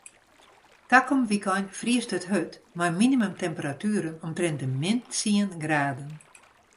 Takom wykein friest it hurd mei minimumtemperatueren omtrint de min tsien graden.